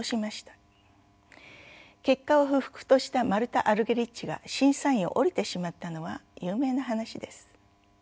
結果を不服としたマルタ・アルゲリッチが審査員を降りてしまったのは有名な話です。